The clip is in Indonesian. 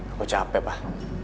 aku capek pak